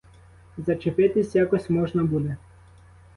Зачепитись якось можна буде.